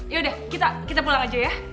yaudah kita pulang aja ya